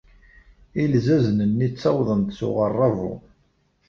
Ilzazen-nni ttawḍen-d s uɣerrabu.